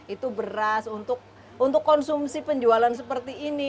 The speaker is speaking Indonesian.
itu beras untuk konsumsi penjualan seperti ini